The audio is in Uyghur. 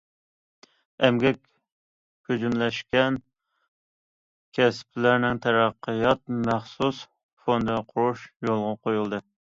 ئەمگەك كۆجۈملەشكەن كەسىپلەرنىڭ تەرەققىيات مەخسۇس فوندى قۇرۇش يولغا قويۇلدى.